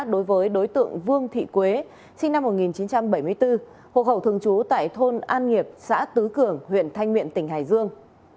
đối với đối tượng vương thị quế sinh năm một nghìn chín trăm bảy mươi bốn hộ khẩu thường trú tại thôn an nghiệp xã tứ cường huyện thanh miện tỉnh hải dương